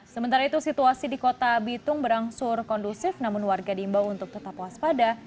sementara itu situasi di kota bitung berangsur kondusif namun warga diimbau untuk tetap waspada